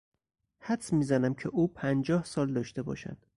حدس میزنم که او پنجاه سال داشته باشد.